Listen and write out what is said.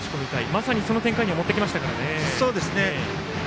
まさにその展開に持ってきました。